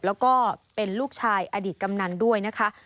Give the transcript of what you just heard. แล้วก็เป็นลูกชายอดีตกำนันด้วยนะคะ